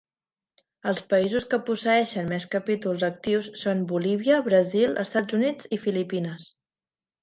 Els països que posseeixen més capítols actius són Bolívia, Brasil, Estats Units i Filipines.